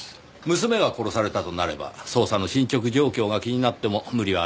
娘が殺されたとなれば捜査の進捗状況が気になっても無理はありませんねぇ。